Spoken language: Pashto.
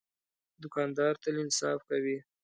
دوکاندار تل انصاف کوي.